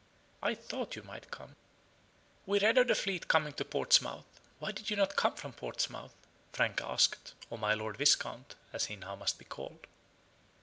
"I thought you might come." "We read of the fleet coming to Portsmouth. Why did you not come from Portsmouth?" Frank asked, or my Lord Viscount, as he now must be called.